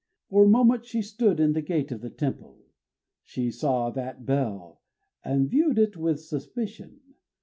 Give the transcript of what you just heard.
For a moment she stood in the gate of the temple: she saw that bell, and viewed it with suspicion.